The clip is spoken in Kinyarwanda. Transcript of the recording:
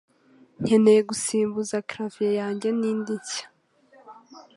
Nkeneye gusimbuza clavier yanjye nindi nshya